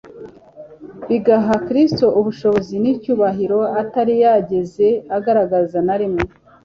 bigaha Kristo ubushobozi n'icyubahiro atari yarigeze agaragaza na rimwe.